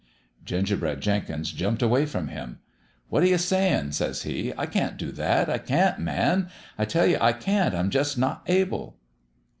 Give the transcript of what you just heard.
" Gingerbread Jenkins jumped away from him. 'What you say in'?' says he. 'I can't do that! I can't ! Man, I tell you I carit ! I'm jus' not able.'